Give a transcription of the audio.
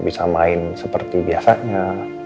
bisa main seperti biasanya